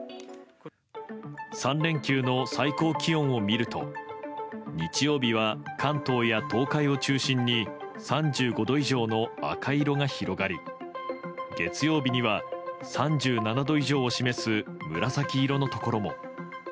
３連休の最高気温を見ると日曜日は関東や東海を中心に３５度以上の赤色が広がり月曜日には３７度以上を示す紫色のところも。